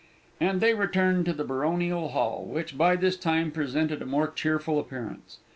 And they returned to the Baronial Hall, which by this time presented a more cheerful appearance.